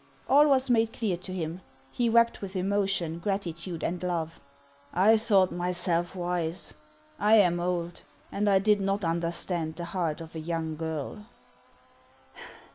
All was made clear to him. He wept with emotion, gratitude, and love. " I thought myself wise ; I am old, and I did not under stand the heart of a young girl